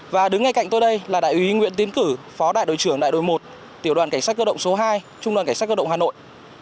và đứng ngay cạnh tôi đây là đại úy nguyễn tiến cử phó đại đội trưởng đại đội một tiểu đoàn cảnh sát cơ động số hai trung đoàn cảnh sát cơ động hà nội